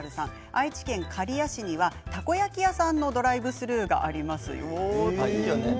愛知県刈谷市にはたこ焼き屋さんのドライブスルーがありますよ。